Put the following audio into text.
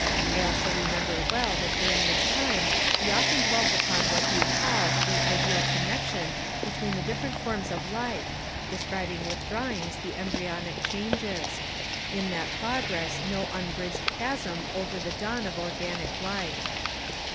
I also remem ber well that during this time he often dwelt upon what he called the ^^ ideal connection" between the different forms of life, describing with drawings the embryonic changes ; in that progress no unbridged chasm after the dawn of organic life.